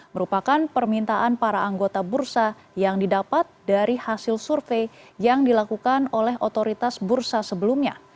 merupakan permintaan para anggota bursa yang didapat dari hasil survei yang dilakukan oleh otoritas bursa sebelumnya